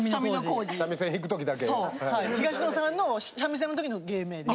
東野さんの三味線の時の芸名です。